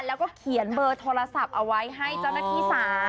แล้วก็เขียนเบอร์โทรศัพท์เอาไว้ให้เจ้าหน้าที่๓